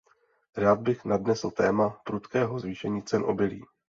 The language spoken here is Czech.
Rád bych nadnesl téma prudkého zvýšení cen obilí.